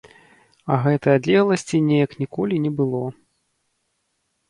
А гэтай адлегласці неяк ніколі не было.